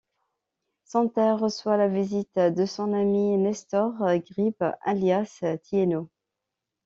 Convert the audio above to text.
Senterre reçoit la visite de son ami Nestor Gribbe, alias Thiénot.